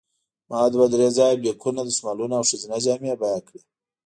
ما دوه درې ځایه بیکونه، دستمالونه او ښځینه جامې بیه کړې.